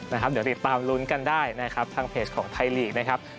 เดี๋ยวติดตามรุ้นกันได้ทางเพจของไทยลีก